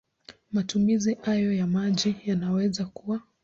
Matumizi hayo ya maji yanaweza kuwa